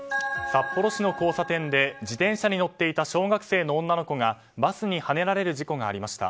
札幌市の交差点で自転車に乗っていた小学生の女の子がバスにはねられる事故がありました。